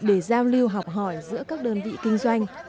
để giao lưu học hỏi giữa các đơn vị kinh doanh